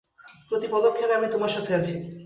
প্রতি পদক্ষেপে আমি তোমার সাথে আছি।